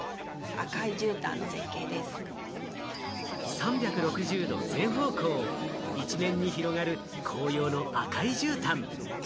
３６０度全方向、一面に広がる紅葉の赤い絨毯。